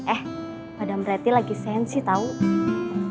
eh pada mereti lagi sensi tuh ya